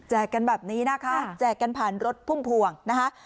กันแบบนี้นะคะแจกกันผ่านรถพุ่มพวงนะคะ